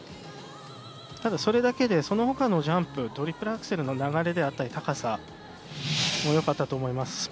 ただ、それだけでその他のジャンプトリプルアクセルの流れであったり高さも良かったと思います。